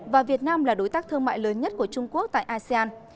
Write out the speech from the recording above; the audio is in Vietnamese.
và việt nam là đối tác thương mại lớn nhất của trung quốc tại asean